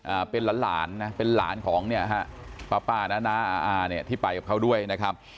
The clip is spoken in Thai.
อ่าเป็นหลานหลานนะเป็นหลานของเนี่ยฮะป้าป้าน้าน้าอาเนี่ยที่ไปกับเขาด้วยนะครับ